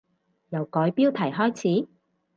由改標題開始？